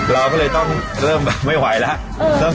เราก็เลยต้องเริ่มแบบไม่ไหวแล้ว